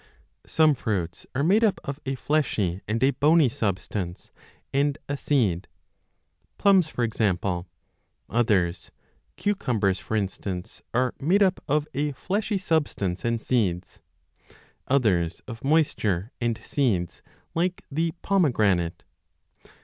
Some fruits are made up of a fleshy and a bony substance and a seed, plums for example ; others, cucumbers for instance, are made up of a fleshy substance and seeds, others 4 of moisture and seeds like the pomegranate.